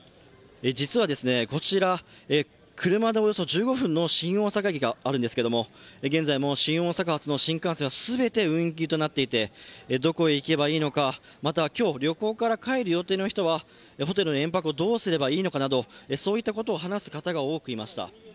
実は、こちら車でおよそ１５分の新大阪駅があるんですが、現在も新大阪発の新幹線は全て運休となっていて、どこへ行けばいいのか、また今日、旅行から帰る予定の人はホテルの延泊をどうすればいいのかなど、そういったことを話す方が多くいました。